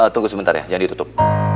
tunggu sebentar ya jangan ditutup